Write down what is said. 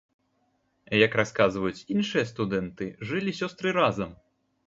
Як расказваюць іншыя студэнты, жылі сёстры разам.